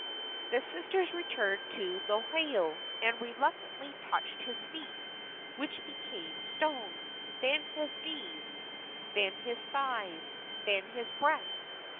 The sisters returned to Lohiau, and reluctantly touched his feet, which became stone; then his knees; then his thighs; then his breast.